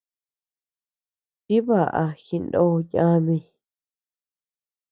Tibaʼa jinoo yami.